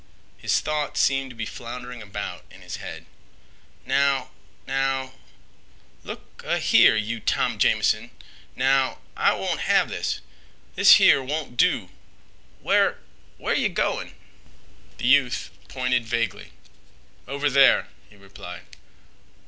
His thoughts seemed to be floundering about in his head. "Now—now—look—a—here, you Tom Jamison—now—I won't have this—this here won't do. Where—where yeh goin'?" The youth pointed vaguely. "Over there," he replied.